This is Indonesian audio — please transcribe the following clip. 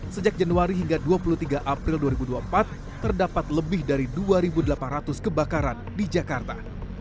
sejak januari hingga dua puluh tiga april dua ribu dua puluh empat terdapat lebih dari dua delapan ratus kebakaran di jakarta